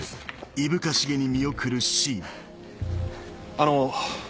あの。